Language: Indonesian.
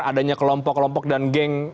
adanya kelompok kelompok dan geng